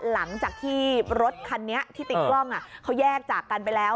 หลังจากที่รถคันนี้ที่ติดกล้องเขาแยกจากกันไปแล้ว